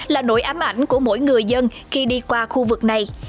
là nỗi ám ảnh của mỗi người dân khi đi qua khu vực này